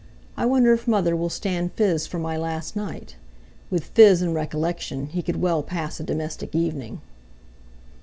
"I wonder if mother will stand fizz for my last night!" With "fizz" and recollection, he could well pass a domestic evening.